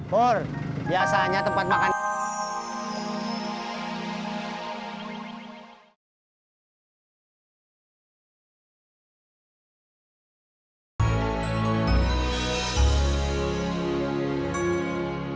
bor biasanya tempat makan